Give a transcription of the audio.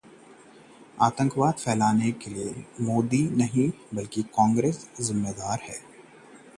YouTube से 'गायब' है मोदी बायोपिक का ट्रेलर, संदीप सिंह ने कही ये बात